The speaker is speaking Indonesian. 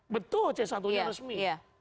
betul c satu nya resmi